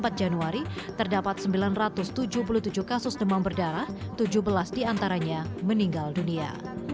pada empat januari terdapat sembilan ratus tujuh puluh tujuh kasus demam berdarah tujuh belas diantaranya meninggal dunia